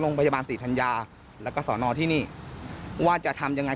โรงพยาบาลศรีธัญญาแล้วก็สอนอที่นี่ว่าจะทำยังไง